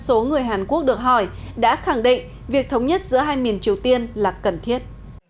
số người hàn quốc được hỏi đã khẳng định việc thống nhất giữa hai miền triều tiên là cần thiết